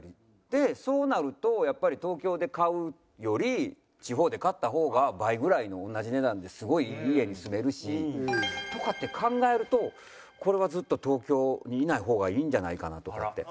でそうなるとやっぱり東京で買うより地方で買った方が倍ぐらいの同じ値段ですごいいい家に住めるしとかって考えるとこれはずっと東京にいない方がいいんじゃないかなとかって。